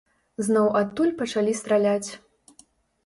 Зноў адтуль пачалі страляць.